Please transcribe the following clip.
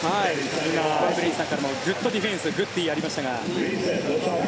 エブリンさんからもグッドディフェンスグッディーがありましたが。